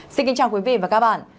xin kính chào quý vị và các bạn